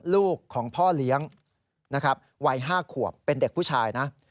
ลูกของพ่อเลี้ยงนะครับวัย๕ขวบเป็นเด็กผู้ชายนะ